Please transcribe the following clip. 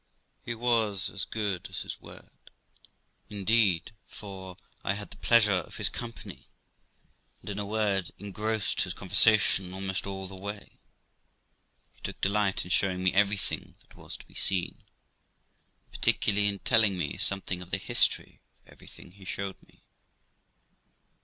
He was as good as his word, indeed ; for I had the pleasure of his company, and, in a word, engrossed his conversation almost all the way. He took delight in showing me everything that was to be seen, and par ticularly in telling me something of the history of everything he showed me.